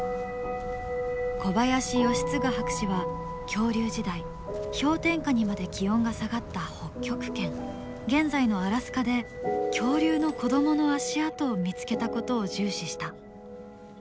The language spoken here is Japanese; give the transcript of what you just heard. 小林快次博士は恐竜時代氷点下にまで気温が下がった北極圏現在のアラスカで恐竜の子どもの足跡を見つけたことを重視した。